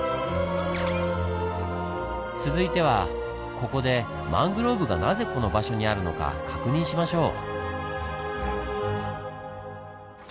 続いてはここでマングローブがなぜこの場所にあるのか確認しましょう。